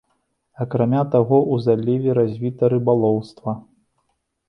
Акрамя таго ў заліве развіта рыбалоўства.